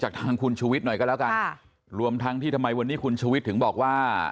ทางคุณชูวิทย์หน่อยก็แล้วกันค่ะรวมทั้งที่ทำไมวันนี้คุณชูวิทย์ถึงบอกว่า